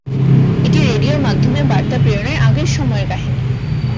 এটি রেডিওর মাধ্যমে বার্তা প্রেরণের আগের সময়ের কাহিনী।